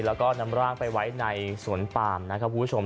แล้วก็นำร่างไปไว้ในสวนปามนะครับคุณผู้ชม